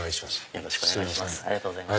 よろしくお願いします。